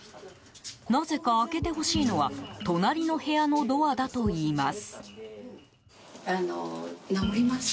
なぜか開けてほしいのは隣の部屋のドアだといいます。